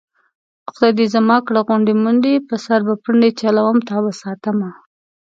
خدای دې زما کړه غونډې منډې په سر به پنډې چلوم تابه ساتمه